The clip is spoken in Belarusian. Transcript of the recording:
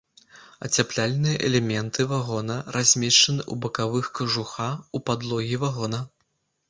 Ацяпляльныя элементы вагона размешчаны ў бакавых кажуха ў падлогі вагона.